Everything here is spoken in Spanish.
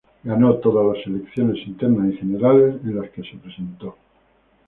Ganó todas las elecciones internas y generales en las que se presentó.